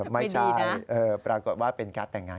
ไม่ใช่ปรากฏว่าเป็นการ์ดแต่งงาน